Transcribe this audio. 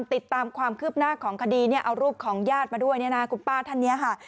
ติดตามความคืบหน้าของคดีเนี่ยเอารูปของญาติมาด้วยเนี่ยนะคุณป้าท่านนี้ค่ะ